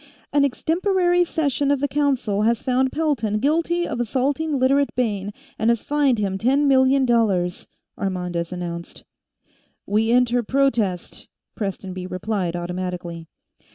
"An extemporary session of the Council has found Pelton guilty of assaulting Literate Bayne, and has fined him ten million dollars," Armandez announced. "We enter protest," Prestonby replied automatically.